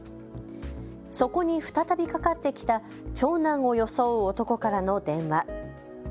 そこに再びかかってきた長男を装う男からの電話。